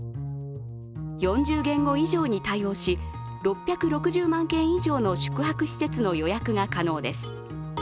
４０言語以上に対応し、６６０万軒以上の宿泊施設の予約が可能です。